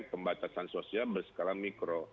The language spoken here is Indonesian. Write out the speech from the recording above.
pembatasan sosial bersekala mikro